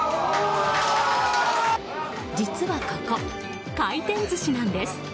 実はここ、回転寿司なんです。